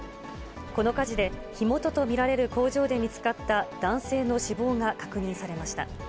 この火事で、火元と見られる工場で見つかった男性の死亡が確認されました。